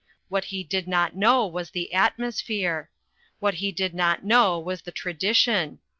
What he did not know was the atmosphere. What he did not know was the tra dition.